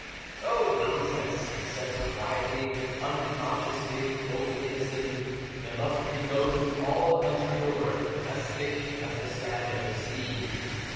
"Oh, nonsense!" I said quietly, unconsciously quoting Ibsen. "There must be ghosts all the country over, as thick as the sand of the sea."